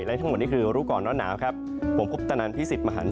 และทั้งหมดนี่คือรู้ก่อนร้อนหนาวครับผมพบตนันพี่สิทธิ์มหัน